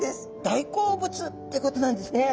大好物ってことなんですね。